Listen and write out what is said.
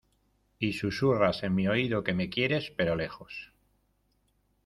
Y susurras en mi oído que me quieres, pero lejos.